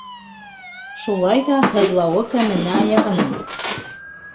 Шулай ҙа һыҙлауы кәмене аяғының.